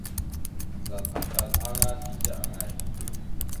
Zal akkal aŋa teke aŋay ?